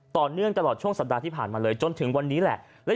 ต่อเนื่องตลอดช่วงสัปดาห์ที่ผ่านมาเลยจนถึงวันนี้แหละ